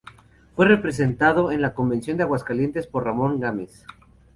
Fue representado en la Convención de Aguascalientes por Ramón Gámez.